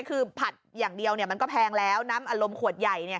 คือผัดอย่างเดียวมันก็แพงแล้วน้ำอารมณ์ขวดใหญ่